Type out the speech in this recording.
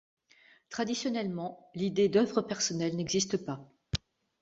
Traditionnellement, l'idée d'œuvre personnelle n'existe pas.